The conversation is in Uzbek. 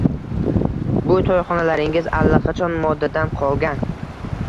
Bu to`yxonalaringiz allaqachon modadan qolgan